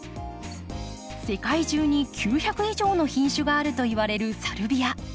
世界中に９００以上の品種があるといわれるサルビア。